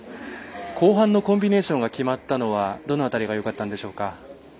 後半のコンビネーションが決まったのはどの辺りがよかったんでしょう。